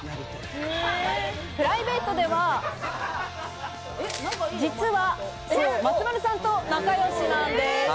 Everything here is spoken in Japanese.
プライベートでは実は、松丸さんと仲よしなんです。